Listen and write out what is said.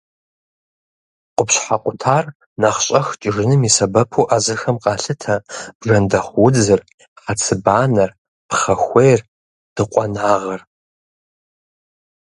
Къупщхьэ къутар нэхъ щӏэх кӏыжыным и сэбэпу ӏэзэхэм къалъытэ бжэндэхъу удзыр, хьэцыбанэр, пхъэхуейр, дыкъуэнагъыр.